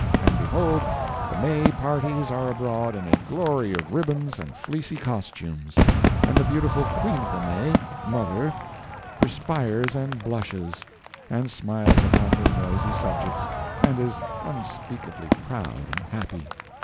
And behold, the May parties are abroad in a glory of ribbons and fleecy costumes, and the beautiful Queen of the May, mother, perspires and blushes, and smiles upon her noisy subjects, and is unspeakably proud and happy.